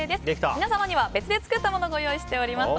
皆様には別で作ったものをご用意しております。